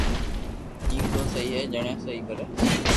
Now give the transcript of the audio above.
ايم تو سھي ھي جڻي سھي ڪري